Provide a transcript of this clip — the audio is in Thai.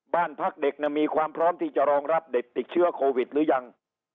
บ้านพักเด็กมีความพร้อมที่จะรองรับเด็กติดเชื้อโควิดหรือยัง